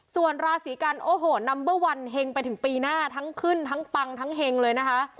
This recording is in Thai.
ส่วนราศีกันโอ้โหนัมเบอร์วันเฮงไปถึงปีหน้าทั้งขึ้นทั้งปังทั้งเฮงเลยนะคะ